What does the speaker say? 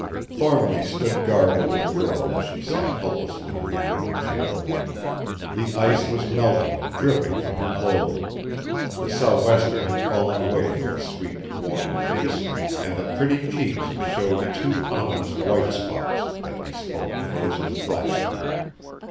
Thornly stood guard over the girl as she sat helplessly in the wooden chair. The ice was melting and dripping from her clothing; the sou'wester had fallen away from the sweet, worn face, and the pretty cheeks showed two ominous white spots that bespoke frozen flesh.